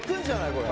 これ。